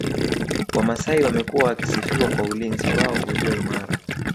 Wamasai wamekuwa wakisifiwa kwa ulinzi wao ulio imara